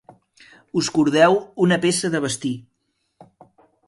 Us cordeu una peça de vestir.